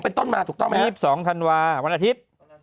เป็นต้นมาถูกต้องไหม๒๒ธันวาวันอาทิตย์